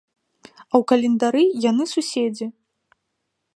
А ў календары яны суседзі.